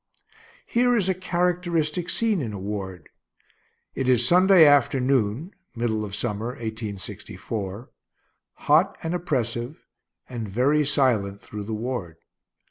Here is a characteristic scene in a ward: It is Sunday afternoon (middle of summer, 1864), hot and oppressive, and very silent through the ward.